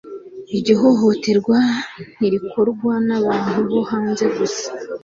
iryo hohoterwa ntirikorwa nabantu bo hanze gusa